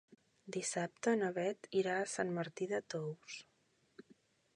Dissabte na Beth irà a Sant Martí de Tous.